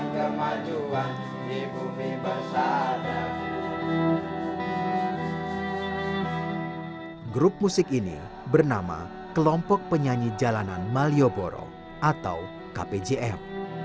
kemajuan musik ini bernama kelompok penyanyi jalanan malioboro atau kpjm